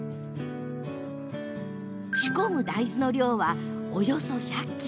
仕込む大豆の量はおよそ１００ｋｇ。